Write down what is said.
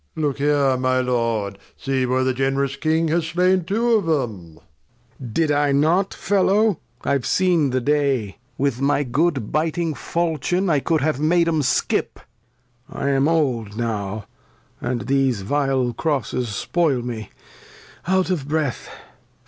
Gent. Look here, my Lord, see where the generous King Has slain two of 'em. Lear. Did I not. Fellow ? I've seen the Day, with my good biting Faulchion I cou'd have made 'em skip : I am Old now. 250 The History of [Act v And these vile Crosses spoil me ; Out of Breath.